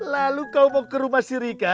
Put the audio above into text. lalu kau mau ke rumah si rika